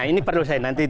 ini perlu saya nanti